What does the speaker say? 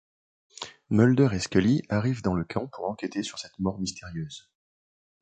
Mulder et Scully arrivent dans le camp pour enquêter sur cette mort mystérieuse.